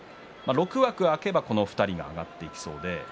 ６枠空けばこの２人が上がってきそうです。